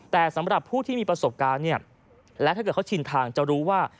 แต่สำหรับผู้ที่มีประสบการณ์เนี่ยและถ้าเกิดเขาชินทางจะรู้ว่า